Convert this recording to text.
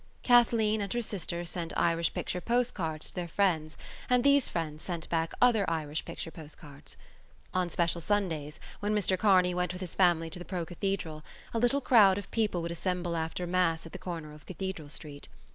Kathleen and her sister sent Irish picture postcards to their friends and these friends sent back other Irish picture postcards. On special Sundays, when Mr Kearney went with his family to the pro cathedral, a little crowd of people would assemble after mass at the corner of Cathedral Street.